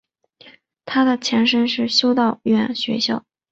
它的前身是修道院学校。